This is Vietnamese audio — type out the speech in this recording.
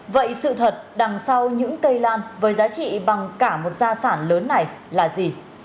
vậy sự thật đằng sau những cây lan với giá trị bằng cả một gia sản lớn này là gì